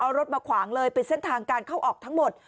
เอารถมาขวางเลยเป็นเส้นทางการเข้าออกทั้งหมด